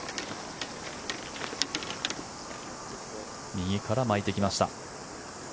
右から巻いてきました。